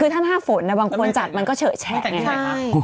ท่านห้าฝนบางคนจัดมันก็เฉอะแชะไง